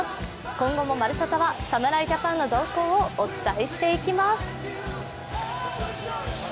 今後も「まるサタ」は侍ジャパンの動向をお伝えしていきます。